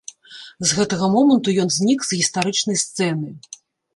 З гэтага моманту ён знік з гістарычнай сцэны.